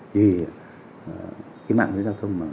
vì mạng lưới giao thông